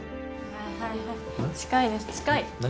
はいはいはい近いです近い何？